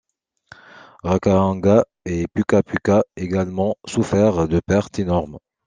Rakahanga et Pukapuka également souffert de pertes énormes.